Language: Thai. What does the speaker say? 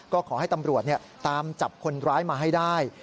ก็ขอให้ตำรวจตามจับคนร้ายมาให้ได้